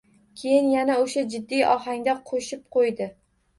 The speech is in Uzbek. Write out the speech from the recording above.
Keyin yana o‘sha jiddiy ohangda qo‘shib qo‘ydi.